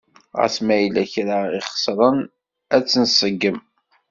Ɣas ma yella kra i ixeṣren a t-nṣeggem.